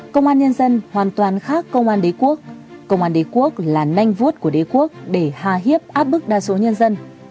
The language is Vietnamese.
công an nhân dân hoàn toàn khác công an đế quốc công an đế quốc là nênh vút của đế quốc để hà hiếp áp bức đa số nhân dân